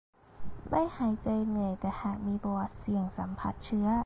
ไม่หายใจเหนื่อย แต่หากมีประวัติเสี่ยงสัมผัสเชื้อ